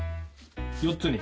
４つに？